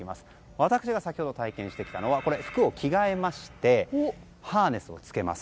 私が先ほど体験してきたのは服を着替えましてハーネスを着けます。